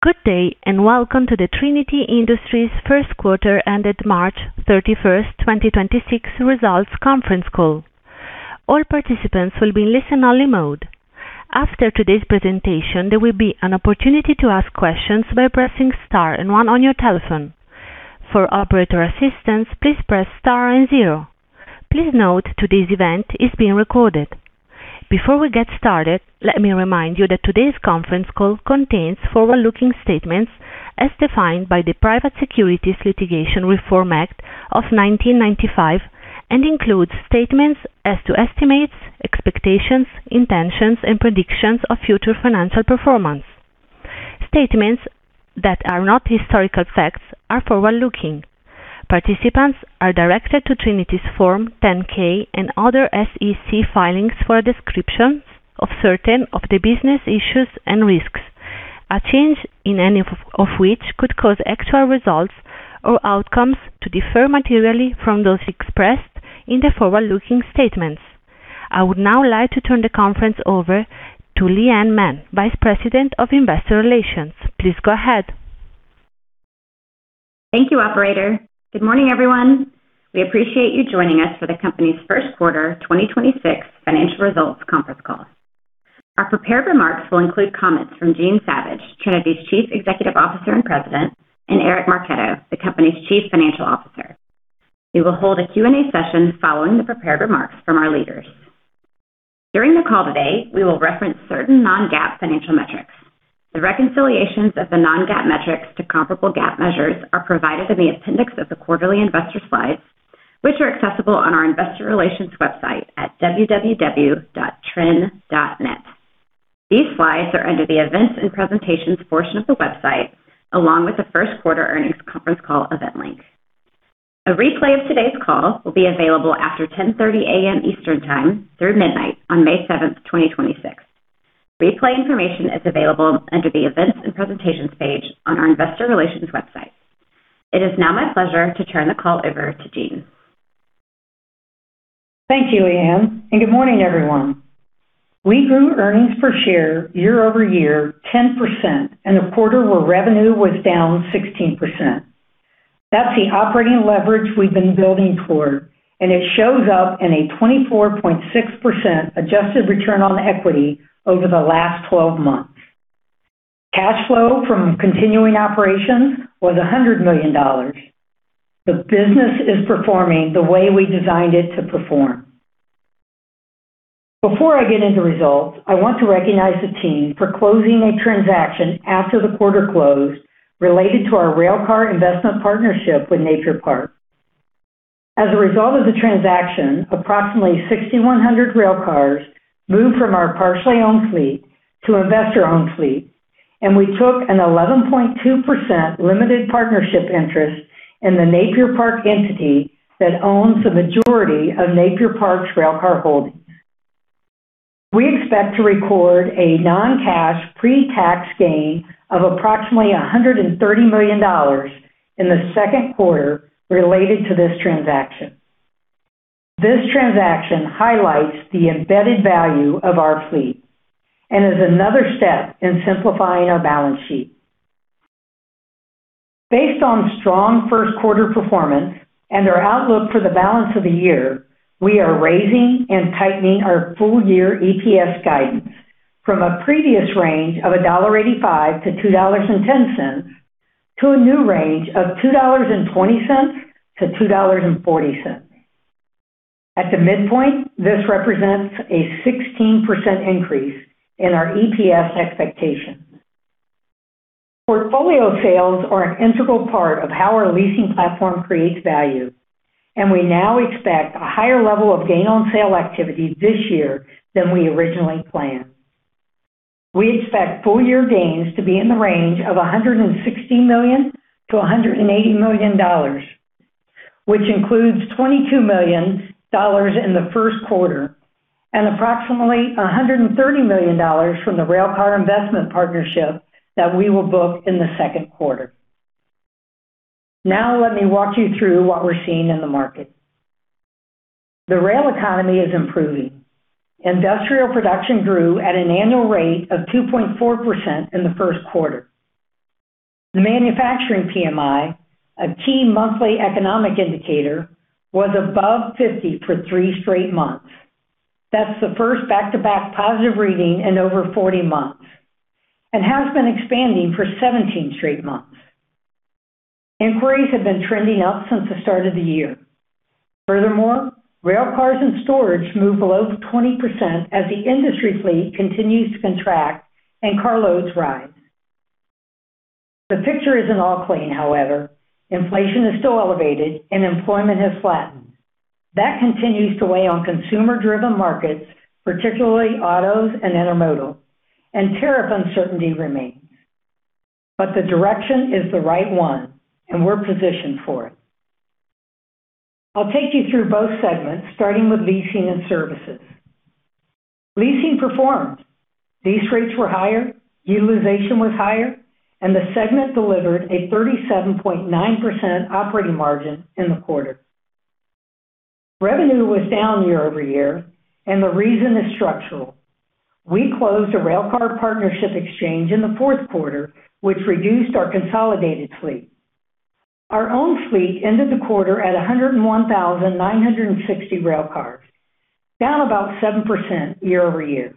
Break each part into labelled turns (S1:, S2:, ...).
S1: Good day, and welcome to the Trinity Industries 1st quarter ended March 31st, 2026 results conference call. All participants will be in listen-only mode. After today's presentation, there will be an opportunity to ask questions by pressing star 1 on your telephone. For operator assistance, please press star 0. Please note today's event is being recorded. Before we get started, let me remind you that today's conference call contains forward-looking statements as defined by the Private Securities Litigation Reform Act of 1995 and includes statements as to estimates, expectations, intentions, and predictions of future financial performance. Statements that are not historical facts are forward-looking. Participants are directed to Trinity's Form 10-K and other SEC filings for a description of certain of the business issues and risks, a change in any of which could cause actual results or outcomes to differ materially from those expressed in the forward-looking statements. I would now like to turn the conference over to Leigh Anne Mann, Vice President of Investor Relations. Please go ahead.
S2: Thank you, operator. Good morning, everyone. We appreciate you joining us for the company's first quarter 2026 financial results conference call. Our prepared remarks will include comments from Jean Savage, Trinity's Chief Executive Officer and President, and Eric Marchetto, the company's Chief Financial Officer. We will hold a Q&A session following the prepared remarks from our leaders. During the call today, we will reference certain non-GAAP financial metrics. The reconciliations of the non-GAAP metrics to comparable GAAP measures are provided in the appendix of the quarterly investor slides, which are accessible on our investor relations website at www.trin.net. These slides are under the Events and Presentations portion of the website, along with the first quarter earnings conference call event link. A replay of today's call will be available after 10:30 A.M. Eastern Time through midnight on May 7, 2026. Replay information is available under the Events and Presentations page on our investor relations website. It is now my pleasure to turn the call over to Jean.
S3: Thank you, Leigh Anne, and good morning, everyone. We grew earnings per share year-over-year 10% in a quarter where revenue was down 16%. That's the operating leverage we've been building toward, and it shows up in a 24.6% adjusted return on equity over the last 12 months. Cash flow from continuing operations was $100 million. The business is performing the way we designed it to perform. Before I get into results, I want to recognize the team for closing a transaction after the quarter closed related to our railcar investment partnership with Napier Park. As a result of the transaction, approximately 6,100 railcars moved from our partially owned fleet to investor-owned fleet, and we took an 11.2% limited partnership interest in the Napier Park entity that owns the majority of Napier Park's railcar holdings. We expect to record a non-cash pre-tax gain of approximately $130 million in the second quarter related to this transaction. This transaction highlights the embedded value of our fleet and is another step in simplifying our balance sheet. Based on strong first quarter performance and our outlook for the balance of the year, we are raising and tightening our full year EPS guidance from a previous range of $1.85-$2.10 to a new range of $2.20-$2.40. At the midpoint, this represents a 16% increase in our EPS expectations. Portfolio sales are an integral part of how our leasing platform creates value, and we now expect a higher level of gain on sale activity this year than we originally planned. We expect full year gains to be in the range of $160 million-$180 million, which includes $22 million in the first quarter and approximately $130 million from the railcar investment partnership that we will book in the second quarter. Let me walk you through what we're seeing in the market. The rail economy is improving. Industrial production grew at an annual rate of 2.4% in the first quarter. The manufacturing PMI, a key monthly economic indicator, was above 50 for three straight months. That's the first back-to-back positive reading in over 40 months and has been expanding for 17 straight months. Inquiries have been trending up since the start of the year. Furthermore, railcars in storage moved below 20% as the industry fleet continues to contract and car loads rise. The picture isn't all clean, however. Inflation is still elevated and employment has flattened. That continues to weigh on consumer-driven markets, particularly autos and intermodal, and tariff uncertainty remains. The direction is the right one, and we're positioned for it. I'll take you through both segments, starting with leasing and services. Leasing performed. Lease rates were higher, utilization was higher, and the segment delivered a 37.9% operating margin in the quarter. Revenue was down year-over-year, and the reason is structural. We closed a railcar partnership exchange in the fourth quarter, which reduced our consolidated fleet. Our own fleet ended the quarter at 101,960 railcars, down about 7% year-over-year.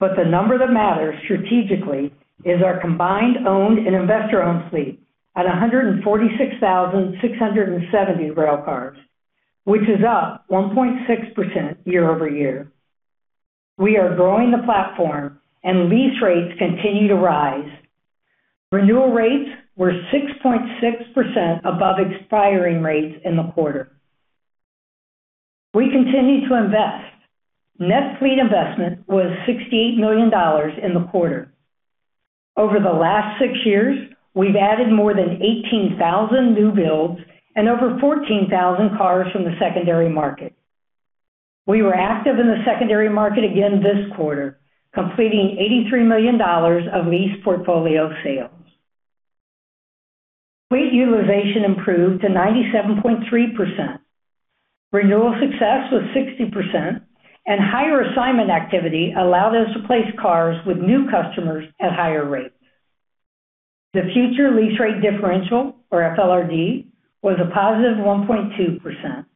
S3: The number that matters strategically is our combined owned and investor-owned fleet at 146,670 railcars, which is up 1.6% year-over-year. We are growing the platform and lease rates continue to rise. Renewal rates were 6.6% above expiring rates in the quarter. We continue to invest. Net fleet investment was $68 million in the quarter. Over the last six years, we've added more than 18,000 new builds and over 14,000 cars from the secondary market. We were active in the secondary market again this quarter, completing $83 million of lease portfolio sales. Fleet utilization improved to 97.3%. Renewal success was 60%, and higher assignment activity allowed us to place cars with new customers at higher rates. The future lease rate differential, or FLRD, was a positive 1.2%.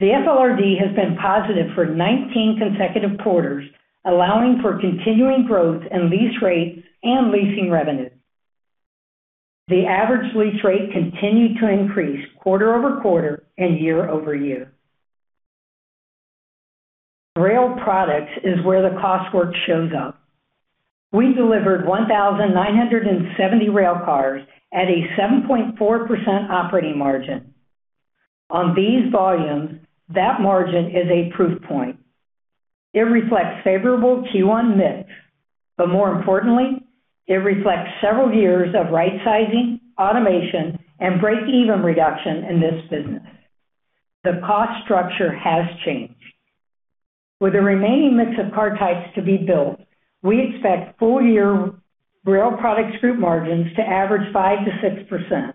S3: The FLRD has been positive for 19 consecutive quarters, allowing for continuing growth in lease rates and leasing revenue. The average lease rate continued to increase quarter-over-quarter and year-over-year. Rail Products is where the cost work shows up. We delivered 1,970 railcars at a 7.4% operating margin. On these volumes, that margin is a proof point. It reflects favorable Q1 mix, more importantly, it reflects several years of right sizing, automation, and breakeven reduction in this business. The cost structure has changed. With the remaining mix of car types to be built, we expect full year Rail Products Group margins to average 5%-6%.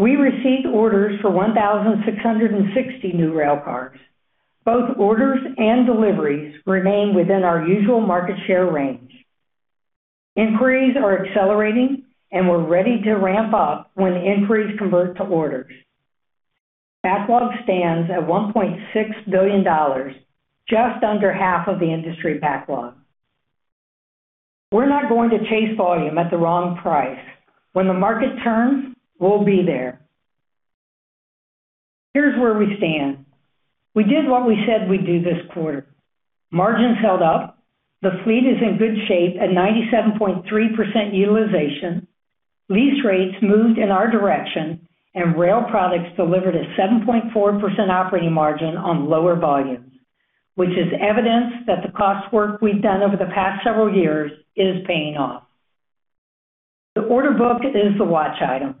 S3: We received orders for 1,660 new railcars. Both orders and deliveries remain within our usual market share range. Inquiries are accelerating. We're ready to ramp up when inquiries convert to orders. Backlog stands at $1.6 billion, just under half of the industry backlog. We're not going to chase volume at the wrong price. When the market turns, we'll be there. Here's where we stand. We did what we said we'd do this quarter. Margins held up. The fleet is in good shape at 97.3% utilization. Lease rates moved in our direction. Rail Products delivered a 7.4% operating margin on lower volumes, which is evidence that the cost work we've done over the past several years is paying off. The order book is the watch item.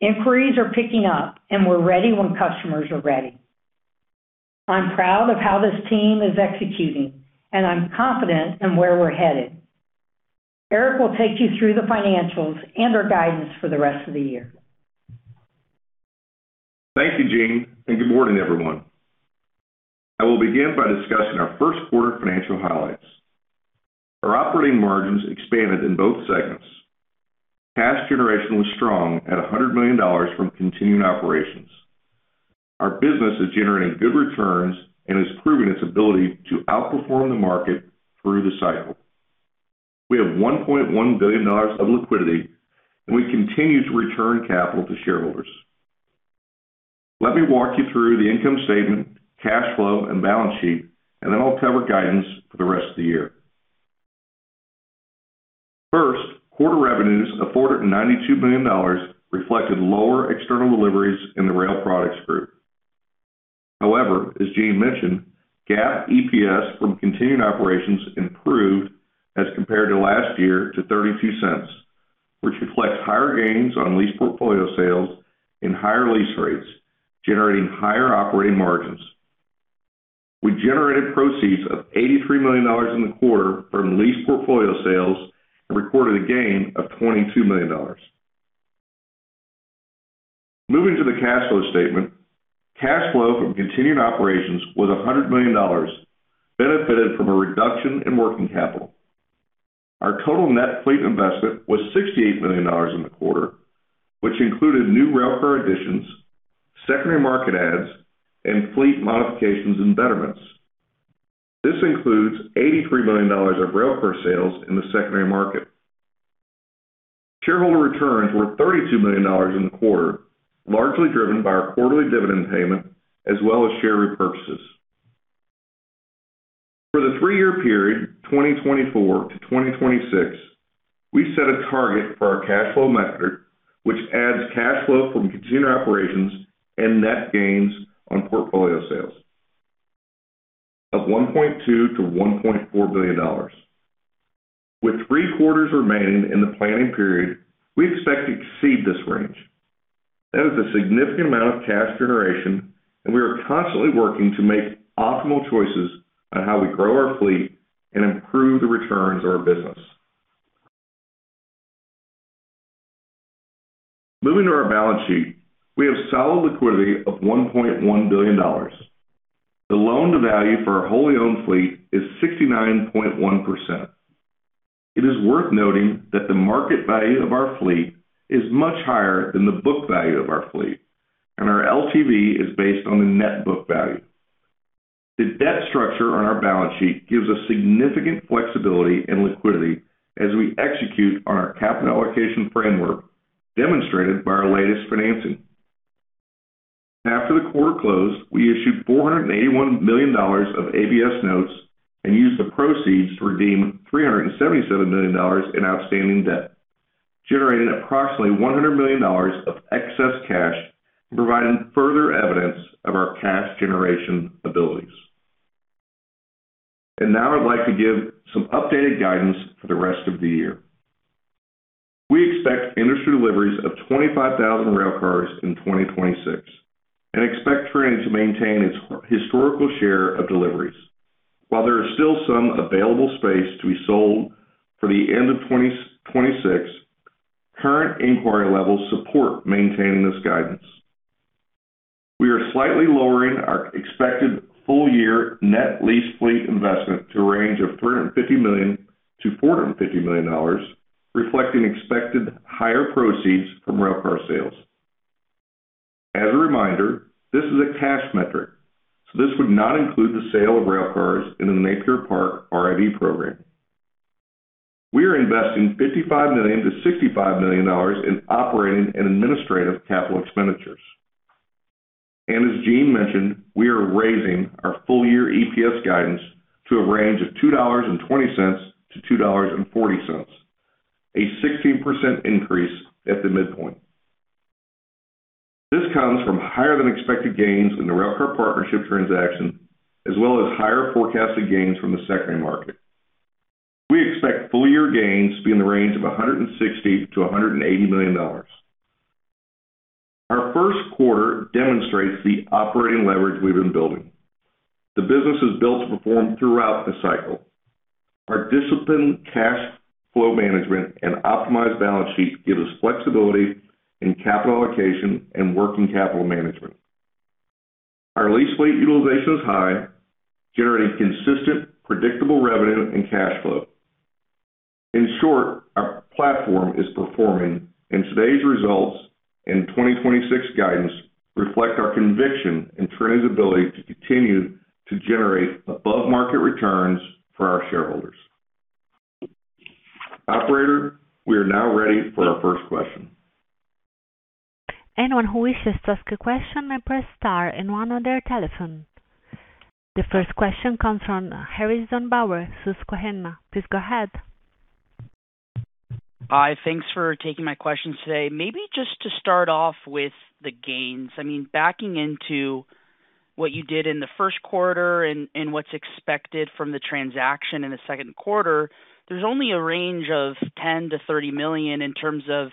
S3: Inquiries are picking up. We're ready when customers are ready. I'm proud of how this team is executing, and I'm confident in where we're headed. Eric will take you through the financials and our guidance for the rest of the year.
S4: Thank you, Jean, and good morning, everyone. I will begin by discussing our first quarter financial highlights. Our operating margins expanded in both segments. Cash generation was strong at $100 million from continuing operations. Our business is generating good returns and is proving its ability to outperform the market through the cycle. We have $1.1 billion of liquidity, and we continue to return capital to shareholders. Let me walk you through the income statement, cash flow, and balance sheet, and then I'll cover guidance for the rest of the year. First quarter revenues of $492 million reflected lower external deliveries in the Rail Products Group. However, as Jean mentioned, GAAP EPS from continuing operations improved as compared to last year to $0.32, which reflects higher gains on lease portfolio sales and higher lease rates, generating higher operating margins. We generated proceeds of $83 million in the quarter from lease portfolio sales and recorded a gain of $22 million. Moving to the cash flow statement, cash flow from continuing operations was $100 million, benefited from a reduction in working capital. Our total net fleet investment was $68 million in the quarter, which included new railcar additions, secondary market adds, and fleet modifications and betterments. This includes $83 million of railcar sales in the secondary market. Shareholder returns were $32 million in the quarter, largely driven by our quarterly dividend payment as well as share repurchases. For the three-year period, 2024 to 2026, we set a target for our cash flow metric, which adds cash flow from continuing operations and net gains on portfolio sales of $1.2 billion-$1.4 billion. With 3 quarters remaining in the planning period, we expect to exceed this range. That is a significant amount of cash generation. We are constantly working to make optimal choices on how we grow our fleet and improve the returns of our business. Moving to our balance sheet, we have solid liquidity of $1.1 billion. The loan to value for our wholly owned fleet is 69.1%. It is worth noting that the market value of our fleet is much higher than the book value of our fleet. Our LTV is based on the net book value. The debt structure on our balance sheet gives us significant flexibility and liquidity as we execute on our capital allocation framework demonstrated by our latest financing. After the quarter closed, we issued $481 million of ABS notes and used the proceeds to redeem $377 million in outstanding debt, generating approximately $100 million of excess cash and providing further evidence of our cash generation abilities. Now I'd like to give some updated guidance for the rest of the year. We expect industry deliveries of 25,000 railcars in 2026 and expect Trinity to maintain its historical share of deliveries. While there is still some available space to be sold for the end of 2026, current inquiry levels support maintaining this guidance. We are slightly lowering our expected full year net lease fleet investment to a range of $350 million-$450 million, reflecting expected higher proceeds from railcar sales. As a reminder, this is a cash metric. This would not include the sale of railcars in the Napier Park RIV program. We are investing $55 million-$65 million in operating and administrative capital expenditures. As Jean mentioned, we are raising our full year EPS guidance to a range of $2.20-$2.40, a 16% increase at the midpoint. This comes from higher than expected gains in the railcar partnership transaction as well as higher forecasted gains from the secondary market. We expect full year gains to be in the range of $160 million-$180 million. Our first quarter demonstrates the operating leverage we've been building. The business is built to perform throughout the cycle. Our disciplined cash flow management and optimized balance sheet give us flexibility in capital allocation and working capital management. Our lease fleet utilization is high, generating consistent, predictable revenue and cash flow. In short, our platform is performing, and today's results and 2026 guidance reflect our conviction in Trinity's ability to continue to generate above-market returns for our shareholders. Operator, we are now ready for our first question.
S1: Anyone who wishes to ask a question may press star in one of their telephone The first question comes from Harrison Bauer, Susquehanna. Please go ahead.
S5: Hi. Thanks for taking my questions today. Maybe just to start off with the gains. I mean, backing into what you did in the first quarter and what's expected from the transaction in the second quarter, there's only a range of $10 million-$30 million in terms of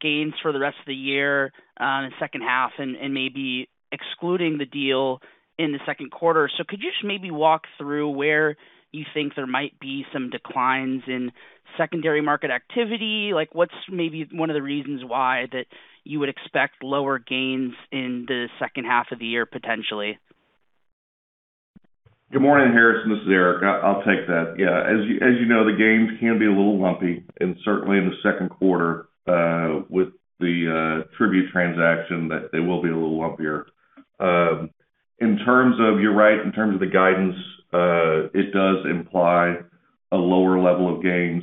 S5: gains for the rest of the year in the second half and maybe excluding the deal in the second quarter. Could you maybe walk through where you think there might be some declines in secondary market activity? Like, what's maybe one of the reasons why that you would expect lower gains in the second half of the year, potentially?
S4: Good morning, Harrison. This is Eric. I'll take that. As you know, the gains can be a little lumpy, and certainly in the second quarter, with the Tribute transaction, they will be a little lumpier. You're right. In terms of the guidance, it does imply a lower level of gains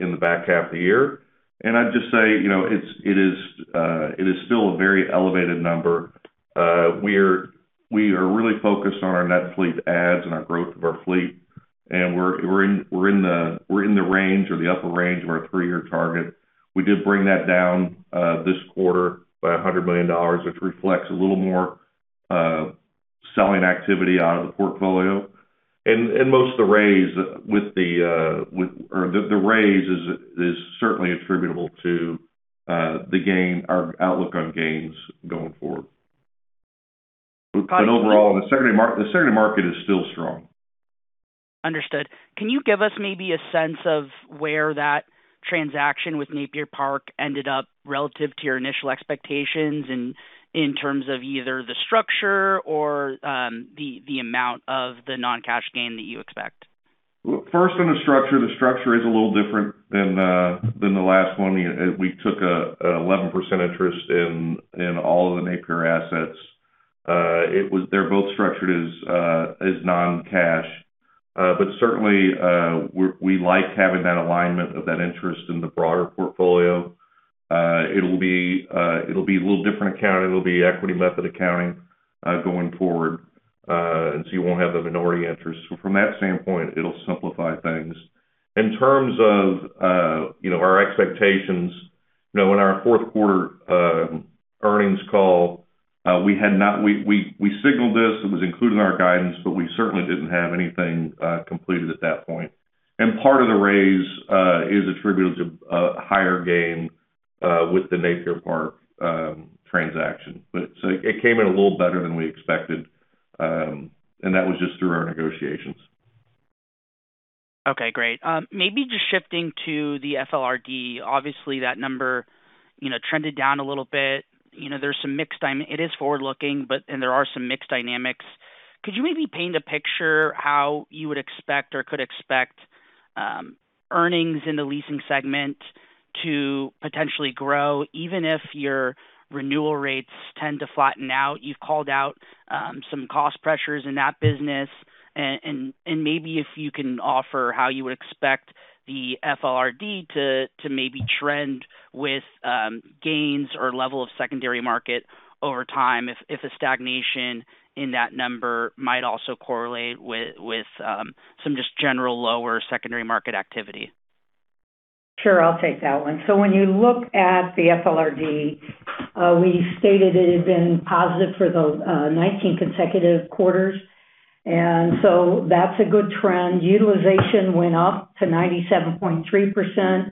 S4: in the back half of the year. I'd just say, you know, it is still a very elevated number. We are really focused on our net fleet adds and our growth of our fleet, and we're in the range or the upper range of our 3-year target. We did bring that down this quarter by $100 million, which reflects a little more selling activity out of the portfolio. Most of the raise is certainly attributable to our outlook on gains going forward. Overall, the secondary market is still strong.
S5: Understood. Can you give us maybe a sense of where that transaction with Napier Park ended up relative to your initial expectations in terms of either the structure or the amount of the non-cash gain that you expect?
S4: First on the structure, the structure is a little different than the last one. We took a 11% interest in all of the Napier assets. They're both structured as non-cash. Certainly, we like having that alignment of that interest in the broader portfolio. It'll be a little different accounting. It'll be equity method accounting going forward, you won't have the minority interest. From that standpoint, it'll simplify things. In terms of, you know, our expectations, you know, in our fourth quarter earnings call, we signaled this, it was included in our guidance, we certainly didn't have anything completed at that point. Part of the raise is attributable to higher gain with the Napier Park transaction. It came in a little better than we expected, and that was just through our negotiations.
S5: Great. Maybe just shifting to the FLRD. Obviously that number, you know, trended down a little bit. You know, it is forward-looking, but then there are some mixed dynamics. Could you maybe paint a picture how you would expect or could expect earnings in the leasing segment to potentially grow, even if your renewal rates tend to flatten out? You've called out some cost pressures in that business. Maybe if you can offer how you would expect the FLRD to maybe trend with gains or level of secondary market over time if a stagnation in that number might also correlate with some just general lower secondary market activity.
S3: Sure. I'll take that one. When you look at the FLRD, we stated it had been positive for the 19 consecutive quarters, and so that's a good trend. Utilization went up to 97.3%.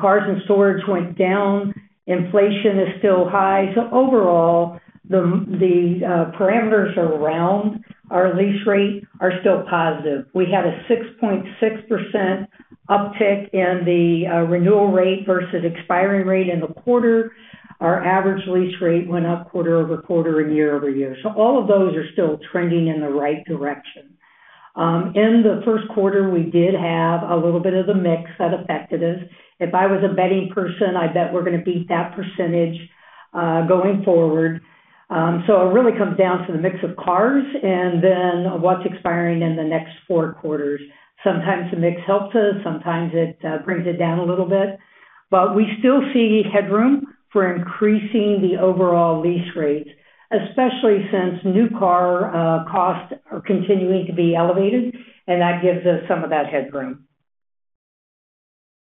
S3: Cars in storage went down. Inflation is still high. Overall, the parameters around our lease rate are still positive. We had a 6.6% uptick in the renewal rate versus expiring rate in the quarter. Our average lease rate went up quarter-over-quarter and year-over-year. All of those are still trending in the right direction. In the first quarter, we did have a little bit of the mix that affected us. If I was a betting person, I'd bet we're gonna beat that percentage going forward. It really comes down to the mix of cars and then what's expiring in the next four quarters. Sometimes the mix helps us, sometimes it brings it down a little bit. We still see headroom for increasing the overall lease rates, especially since new car costs are continuing to be elevated, and that gives us some of that headroom.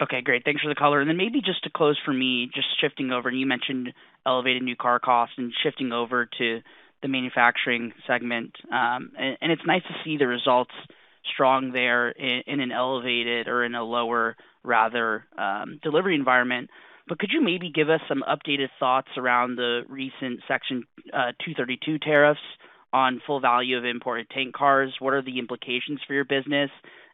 S5: Okay, great. Thanks for the color. Maybe just to close for me, just shifting over, and you mentioned elevated new car costs and shifting over to the manufacturing segment. And it's nice to see the results strong there in an elevated or in a lower rather, delivery environment. Could you maybe give us some updated thoughts around the recent Section 232 tariffs on full value of imported tank cars? What are the implications for your business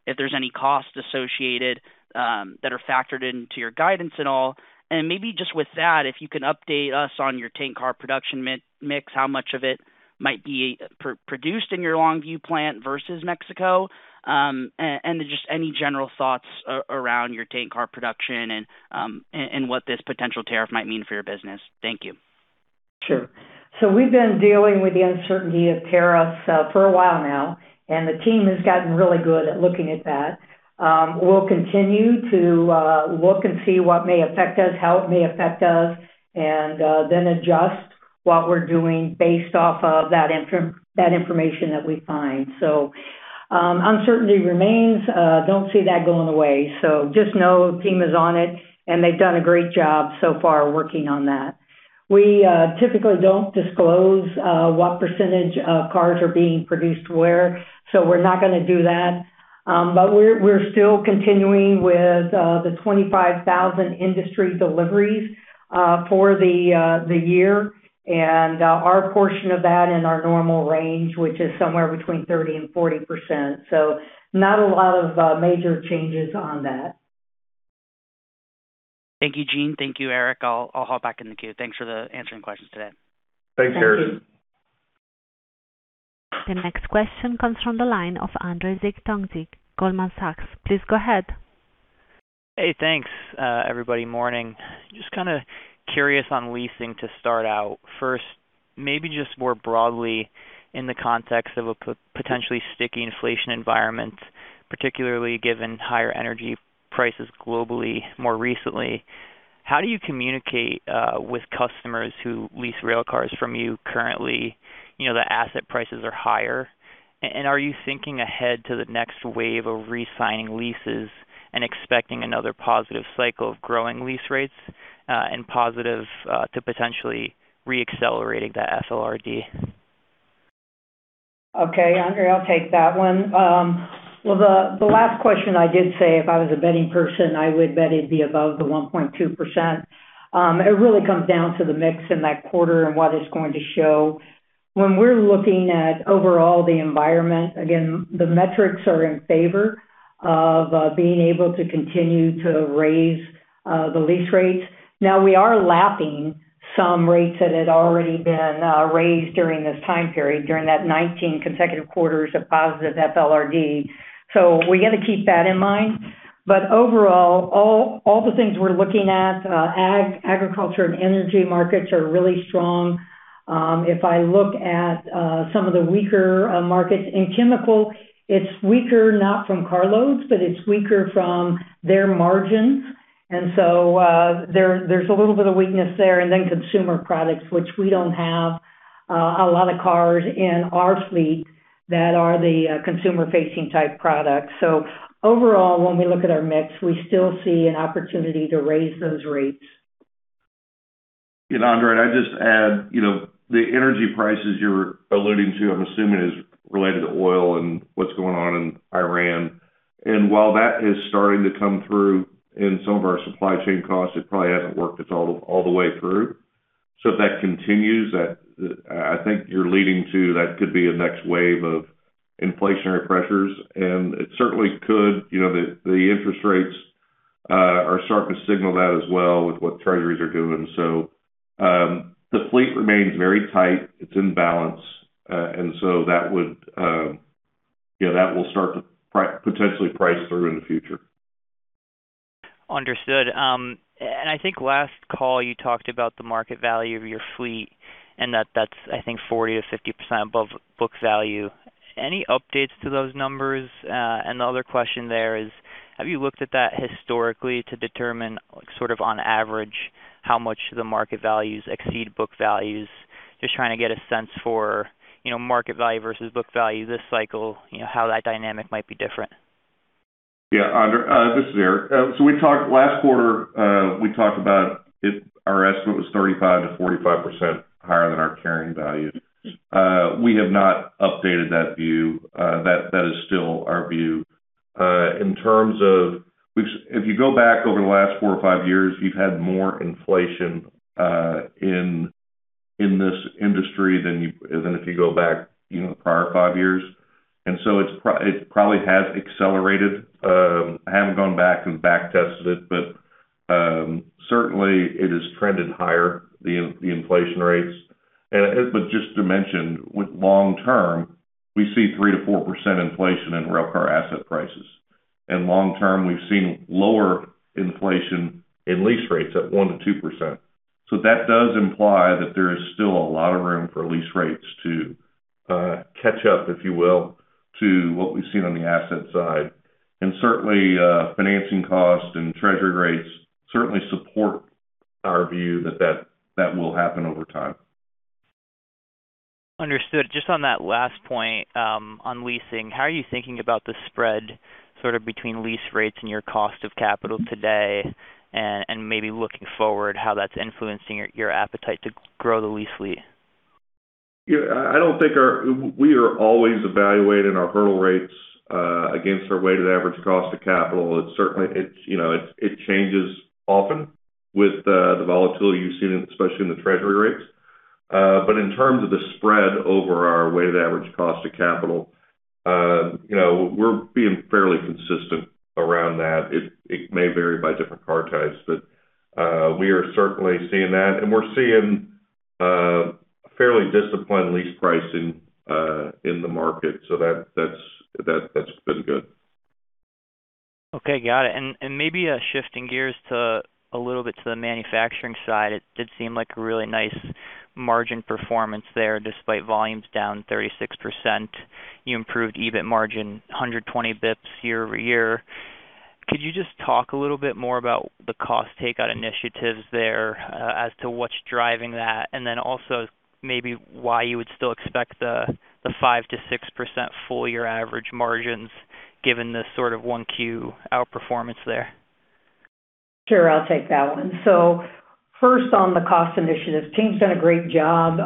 S5: if there's any costs associated that are factored into your guidance at all? Maybe just with that, if you can update us on your tank car production mix, how much of it might be produced in your Longview plant versus Mexico, and just any general thoughts around your tank car production and what this potential tariff might mean for your business. Thank you.
S3: Sure. We've been dealing with the uncertainty of tariffs for a while now, and the team has gotten really good at looking at that. We'll continue to look and see what may affect us, how it may affect us, and adjust what we're doing based off of that information that we find. Uncertainty remains, don't see that going away. Just know the team is on it, and they've done a great job so far working on that. We typically don't disclose what percentage of cars are being produced where, we're not gonna do that. We're still continuing with the 25,000 industry deliveries for the year and our portion of that in our normal range, which is somewhere between 30% and 40%. not a lot of major changes on that.
S5: Thank you, Jean. Thank you, Eric. I'll hop back in the queue. Thanks for the answering questions today.
S4: Thanks, Garrett.
S3: Thank you.
S1: The next question comes from the line of Andrzej Tomczyk, Goldman Sachs. Please go ahead.
S6: Hey, thanks, everybody. Morning. Just kind of curious on leasing to start out. First, maybe just more broadly in the context of a potentially sticky inflation environment, particularly given higher energy prices globally more recently. How do you communicate with customers who lease rail cars from you currently, you know, the asset prices are higher? Are you thinking ahead to the next wave of resigning leases and expecting another positive cycle of growing lease rates and positive to potentially re-accelerating that FLRD?
S3: Okay, Andrzej, I'll take that one. Well, the last question I did say if I was a betting person, I would bet it'd be above the 1.2%. It really comes down to the mix in that quarter and what it's going to show. When we're looking at overall the environment, again, the metrics are in favor of being able to continue to raise the lease rates. We are lapping some rates that had already been raised during this time period, during that 19 consecutive quarters of positive FLRD. We got to keep that in mind. Overall, all the things we're looking at, agriculture and energy markets are really strong. If I look at some of the weaker markets in chemical, it's weaker not from car loads, but it's weaker from their margins. There's a little bit of weakness there. Consumer products, which we don't have, a lot of cars in our fleet that are the, consumer-facing type products. Overall, when we look at our mix, we still see an opportunity to raise those rates.
S4: Andr, I'd just add, you know, the energy prices you're alluding to, I'm assuming is related to oil and what's going on in Iran. While that is starting to come through in some of our supply chain costs, it probably hasn't worked its all the way through. If that continues, that, I think you're leading to that could be a next wave of inflationary pressures, and it certainly could. You know, the interest rates are starting to signal that as well with what treasuries are doing. The fleet remains very tight. It's in balance. That would, you know, that will start to potentially price through in the future.
S6: Understood. I think last call you talked about the market value of your fleet and that that's, I think, 40% to 50% above book value. Any updates to those numbers? The other question there is, have you looked at that historically to determine, sort of on average, how much the market values exceed book values? Just trying to get a sense for, you know, market value versus book value this cycle, you know, how that dynamic might be different.
S4: Andrzej Tomczyk, this is Eric. Last quarter, we talked about it. Our estimate was 35%-45% higher than our carrying value. We have not updated that view. That is still our view. In terms of If you go back over the last 4 or 5 years, you've had more inflation in this industry than if you go back, you know, the prior 5 years. It probably has accelerated. I haven't gone back and back tested it, but certainly it has trended higher, the inflation rates. Just to mention, with long term, we see 3%-4% inflation in railcar asset prices. Long term, we've seen lower inflation in lease rates at 1%-2%. That does imply that there is still a lot of room for lease rates to catch up, if you will, to what we've seen on the asset side. Certainly, financing costs and treasury rates certainly support our view that will happen over time.
S6: Understood. Just on that last point, on leasing, how are you thinking about the spread sort of between lease rates and your cost of capital today, and maybe looking forward, how that's influencing your appetite to grow the lease fleet?
S4: Yeah, I don't think we are always evaluating our hurdle rates against our weighted average cost of capital. It's, you know, it changes often with the volatility you've seen, especially in the treasury rates. In terms of the spread over our weighted average cost of capital, you know, we're being fairly consistent around that. It may vary by different car types, but we are certainly seeing that and we're seeing fairly disciplined lease pricing in the market. That's been good.
S6: Okay, got it. Maybe shifting gears a little bit to the manufacturing side, it did seem like a really nice margin performance there despite volumes down 36%. You improved EBIT margin 120 BPS year-over-year. Could you just talk a little bit more about the cost takeout initiatives there as to what's driving that? Also maybe why you would still expect the 5%-6% full year average margins given the sort of 1Q outperformance there?
S3: Sure, I'll take that one. First on the cost initiative, team's done a great job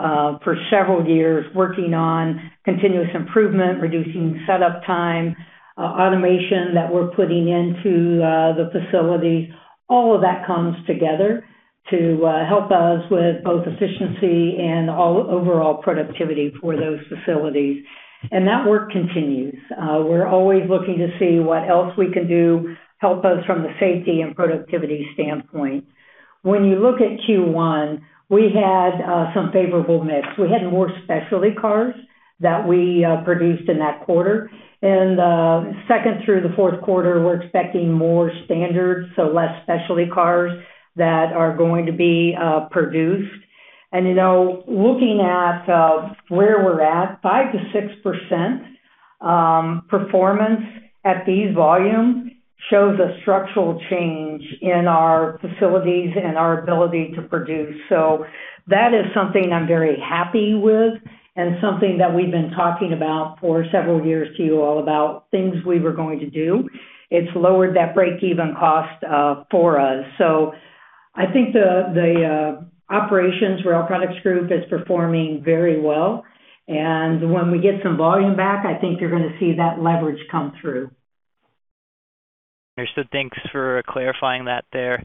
S3: for several years working on continuous improvement, reducing setup time, automation that we're putting into the facility. All of that comes together to help us with both efficiency and overall productivity for those facilities. That work continues. We're always looking to see what else we can do, help us from the safety and productivity standpoint. When you look at Q1, we had some favorable mix. We had more specialty cars that we produced in that quarter. Second through the fourth quarter, we're expecting more standard, so less specialty cars that are going to be produced. You know, looking at, where we're at, 5%-6% performance at these volumes shows a structural change in our facilities and our ability to produce. That is something I'm very happy with and something that we've been talking about for several years to you all about things we were going to do. It's lowered that break-even cost for us. I think the operations, Rail Products Group is performing very well. When we get some volume back, I think you're gonna see that leverage come through.
S6: Understood. Thanks for clarifying that there.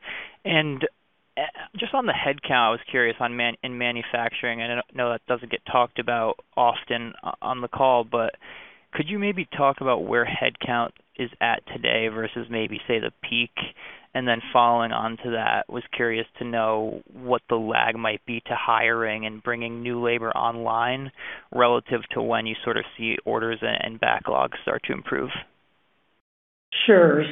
S6: Just on the headcount, I was curious on in manufacturing. I know that doesn't get talked about often on the call, could you maybe talk about where headcount is at today versus maybe, say, the peak? Then following onto that, was curious to know what the lag might be to hiring and bringing new labor online relative to when you sort of see orders and backlogs start to improve.
S3: Sure.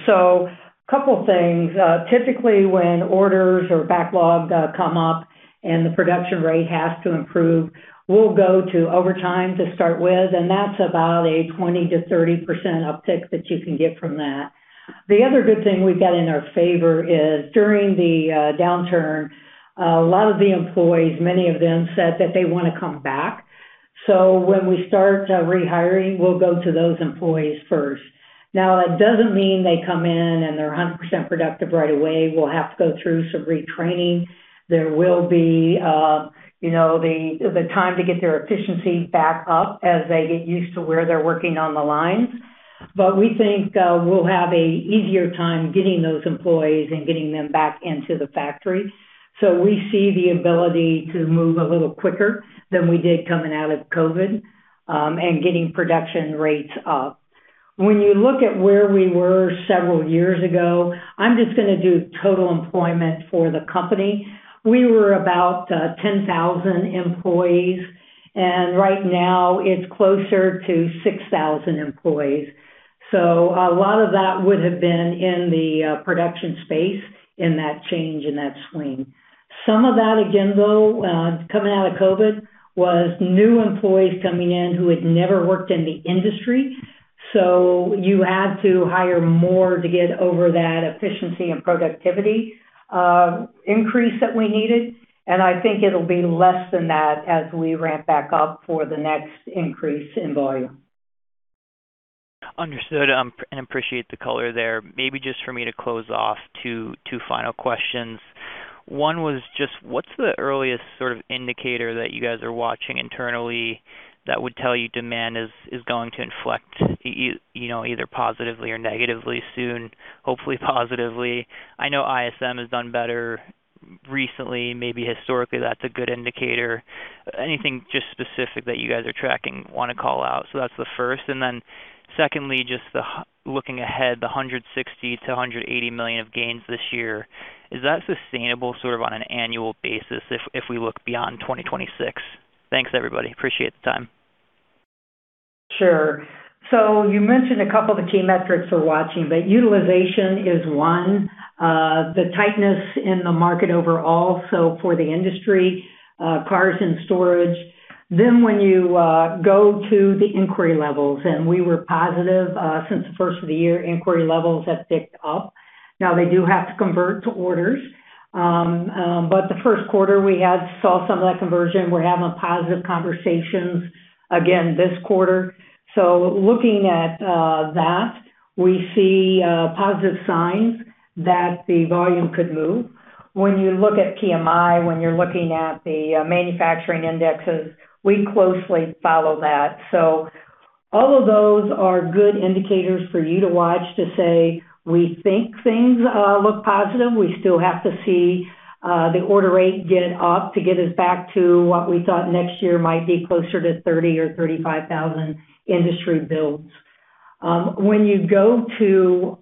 S3: Couple things. Typically, when orders or backlog come up and the production rate has to improve, we'll go to overtime to start with, and that's about a 20% to 30% uptick that you can get from that. The other good thing we've got in our favor is during the downturn, a lot of the employees, many of them said that they wanna come back. When we start rehiring, we'll go to those employees first. Now, that doesn't mean they come in and they're 100% productive right away. We'll have to go through some retraining. There will be, you know, the time to get their efficiency back up as they get used to where they're working on the lines. We think we'll have a easier time getting those employees and getting them back into the factory. We see the ability to move a little quicker than we did coming out of COVID and getting production rates up. When you look at where we were several years ago, I'm just gonna do total employment for the company. We were about 10,000 employees, and right now it's closer to 6,000 employees. A lot of that would've been in the production space in that change, in that swing. Some of that, again, though, coming out of COVID, was new employees coming in who had never worked in the industry. You had to hire more to get over that efficiency and productivity increase that we needed. I think it'll be less than that as we ramp back up for the next increase in volume.
S6: Understood, and appreciate the color there. Maybe just for me to close off, 2 final questions. One was just, what's the earliest sort of indicator that you guys are watching internally that would tell you demand is going to inflect you know, either positively or negatively soon? Hopefully positively. I know ISM has done better recently, maybe historically that's a good indicator. Anything just specific that you guys are tracking, wanna call out? That's the first. Secondly, just looking ahead, the $160 million-$180 million of gains this year, is that sustainable sort of on an annual basis if we look beyond 2026? Thanks, everybody. Appreciate the time.
S3: Sure. You mentioned a couple of the key metrics we're watching, but utilization is one. The tightness in the market overall, so for the industry, cars in storage. When you go to the inquiry levels, and we were positive, since the first of the year, inquiry levels have ticked up. Now they do have to convert to orders. The first quarter we had saw some of that conversion. We're having positive conversations again this quarter. Looking at that, we see positive signs that the volume could move. When you look at PMI, when you're looking at the manufacturing indexes, we closely follow that. All of those are good indicators for you to watch to say we think things look positive. We still have to see the order rate get up to get us back to what we thought next year might be closer to 30 or 35,000 industry builds. When you go to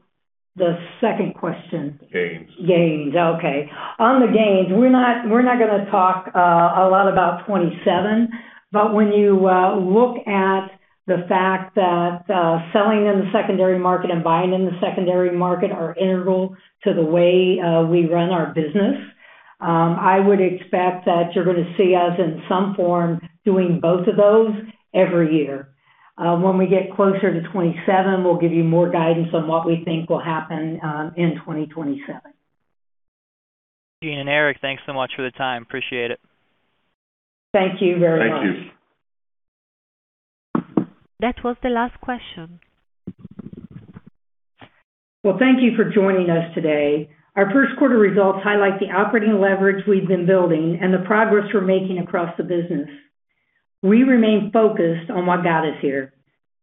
S3: the second question.
S6: Gains.
S3: Gains. Okay. On the gains, we're not gonna talk a lot about 2027, but when you look at the fact that selling in the secondary market and buying in the secondary market are integral to the way we run our business, I would expect that you're gonna see us in some form doing both of those every year. When we get closer to 2027, we'll give you more guidance on what we think will happen in 2027.
S6: Jean and Eric, thanks so much for the time. Appreciate it.
S3: Thank you very much.
S1: Thank you. That was the last question.
S3: Well, thank you for joining us today. Our first quarter results highlight the operating leverage we've been building and the progress we're making across the business. We remain focused on what got us here,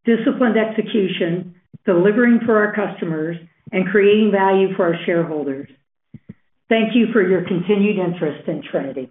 S3: disciplined execution, delivering for our customers, and creating value for our shareholders. Thank you for your continued interest in Trinity.